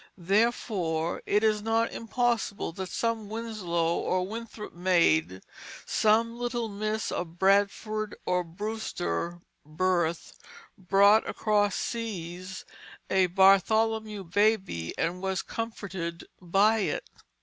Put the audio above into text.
Therefore it is not impossible that some Winslow or Winthrop maid, some little miss of Bradford or Brewster birth, brought across seas a Bartholomew baby and was comforted by it.